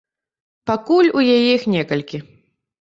Пакуль у яе іх некалькі.